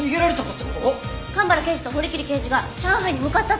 蒲原刑事と堀切刑事が上海に向かったって！